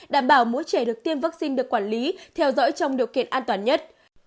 đảm bảo mỗi trẻ được tiêm vaccine được quản lý theo dõi trong điều kiện an toàn nhất